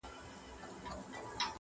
• محتسب مي دي وهي په دُرو ارزي..